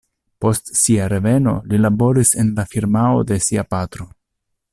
Post sia reveno li laboris en la firmao de sia patro.